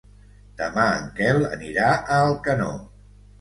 Demà en Quel anirà a Alcanó.